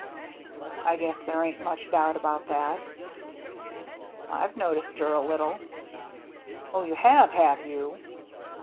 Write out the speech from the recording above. " I guess there ain't much doubt about that." " IVe noticed her a little." " Oh, you have, have you